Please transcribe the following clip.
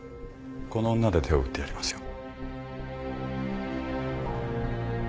この女で手を打ってやりますよ。